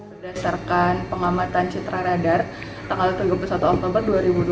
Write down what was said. berdasarkan pengamatan citra radar tanggal tiga puluh satu oktober dua ribu dua puluh